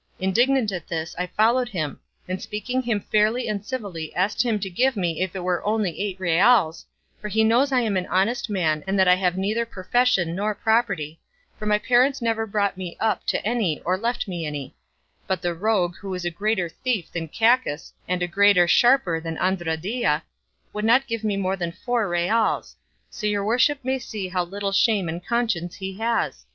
Indignant at this I followed him, and speaking him fairly and civilly asked him to give me if it were only eight reals, for he knows I am an honest man and that I have neither profession nor property, for my parents never brought me up to any or left me any; but the rogue, who is a greater thief than Cacus and a greater sharper than Andradilla, would not give me more than four reals; so your worship may see how little shame and conscience he has.